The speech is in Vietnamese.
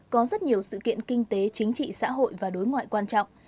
có rất nhiều sự kiện kinh tế chính trị xã hội và đối ngoại quan trọng